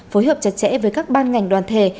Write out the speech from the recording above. phối hợp chặt chẽ với các ban ngành đoàn thể